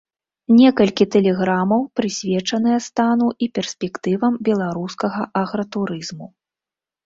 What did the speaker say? Некалькі тэлеграмаў прысвечаныя стану і перспектывам беларускага агратурызму.